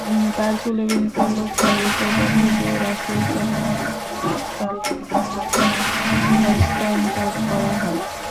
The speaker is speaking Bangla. তার চুলের বেণীতে লুক্কায়িত পত্রটিও রাসূল সাল্লাল্লাহু আলাইহি ওয়াসাল্লাম-এর হাতে হস্তান্তর করা হয়।